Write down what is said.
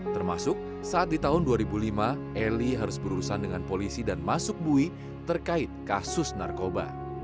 termasuk saat di tahun dua ribu lima eli harus berurusan dengan polisi dan masuk bui terkait kasus narkoba